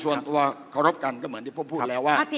ส่วนตัวเคารพกันก็เหมือนที่ผมพูดแล้วว่า